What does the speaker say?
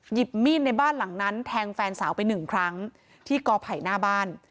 หยิบมีดในบ้านหลังนั้นแทงแฟนสาวไปหนึ่งครั้งที่กอไผ่หน้าบ้าน